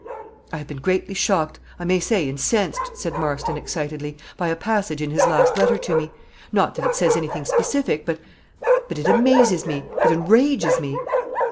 "I have been greatly shocked, I may say incensed," said Marston excitedly, "by a passage in his last letter to me. Not that it says anything specific; but but it amazes me it enrages me."